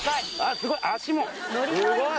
すごい！